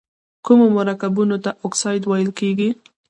کومو مرکبونو ته اکساید ویل کیږي؟